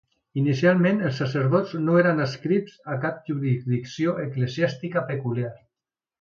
Inicialment els sacerdots no eren adscrits a cap jurisdicció eclesiàstica peculiar.